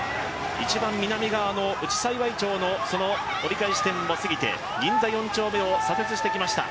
右側の内幸町の折り返し地点を過ぎて銀座四丁目を左折してきました。